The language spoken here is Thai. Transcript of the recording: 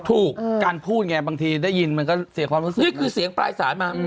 ถูกการพูดไงบางทีได้ยินมันก็เสียความรู้สึกนี่คือเสียงปลายสายมา